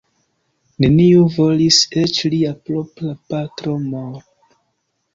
Neniu volis; eĉ lia propra patro Mort.